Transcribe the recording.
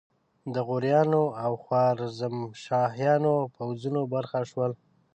د غوریانو او خوارزمشاهیانو پوځونو برخه شول.